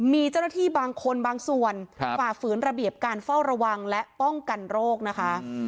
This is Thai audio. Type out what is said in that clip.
มีเจ้าหน้าที่บางคนบางส่วนฝ่าฝืนระเบียบการเฝ้าระวังและป้องกันโรคนะคะ